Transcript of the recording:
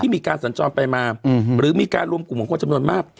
มีการสัญจรไปมาหรือมีการรวมกลุ่มของคนจำนวนมาก